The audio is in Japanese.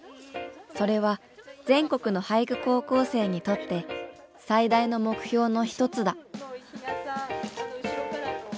それは全国の俳句高校生にとって最大の目標の一つだ。